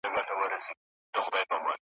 ټول عالم په ما خبر شو پاس کتلی نشم خلکو